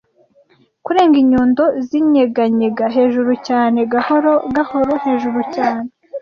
Kurenga inyundo zinyeganyega, hejuru cyane gahoro gahoro, hejuru cyane,